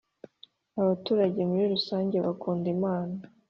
Abaturage muri rusange bakunda imana.